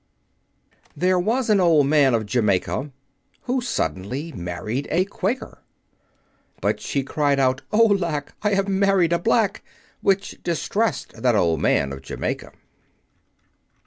There was an Old Man of Jamaica, Who suddenly married a Quaker; But she cried out, "Oh, lack! I have married a black!" Which distressed that Old Man of Jamaica.